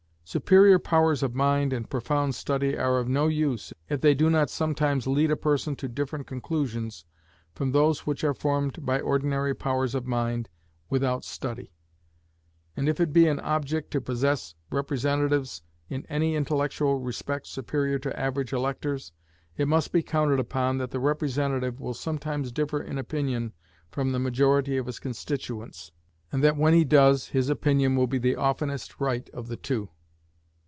Superior powers of mind and profound study are of no use, if they do not sometimes lead a person to different conclusions from those which are formed by ordinary powers of mind without study; and if it be an object to possess representatives in any intellectual respect superior to average electors, it must be counted upon that the representative will sometimes differ in opinion from the majority of his constituents, and that when he does, his opinion will be the oftenest right of the two.